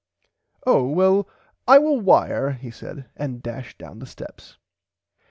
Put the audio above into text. Oh well I will wire he said and dashed doun the steps.